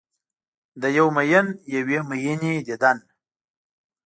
د یو میین یوې میینې دیدن